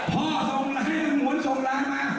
พ่อส่งลายให้พ่อส่งลายมา